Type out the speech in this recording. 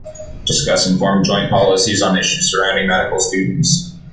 Discuss and form joint policies on issues surrounding medical students.